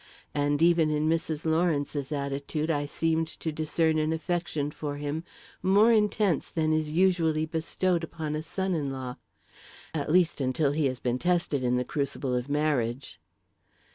And even in Mrs. Lawrence's attitude, I seemed to discern an affection for him more intense than is usually bestowed upon a son in law at least, until he has been tested in the crucible of marriage.